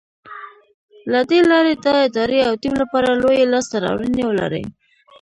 له دې لارې د ادارې او ټيم لپاره لویې لاسته راوړنې ولرئ.